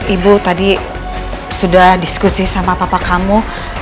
ibu tadi sudah diskusi sama papa kamu